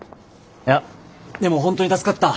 でも本当に助かった。